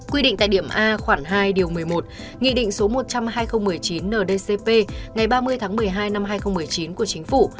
quy định tại điểm a khoảng hai điều một mươi một nghị định số một trăm linh hai nghìn một mươi chín ndcp ngày ba mươi tháng một mươi hai năm hai nghìn một mươi chín của chính phủ